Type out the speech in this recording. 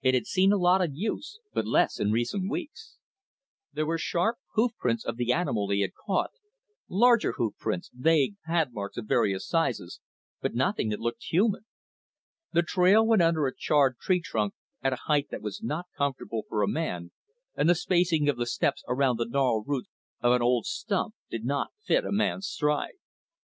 It had seen a lot of use, but less in recent weeks. There were sharp hoof prints of the animal he had caught, larger hoof prints, vague pad marks of various sizes, but nothing that looked human. The trail went under a charred tree trunk at a height that was not comfortable for a man, and the spacing of the steps around the gnarled roots of an old slump did not fit a man's stride.